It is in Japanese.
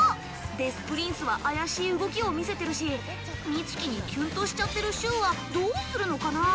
デス・プリンスは怪しい動きを見せてるし美月にキュンとしちゃってる柊はどうするのかな？